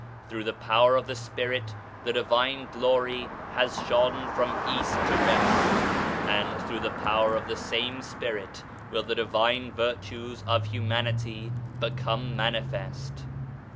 Through the Power of the Spirit the Divine Glory has shone from East to West, and through the Power of the same Spirit will the divine virtues of Humanity become Manifest.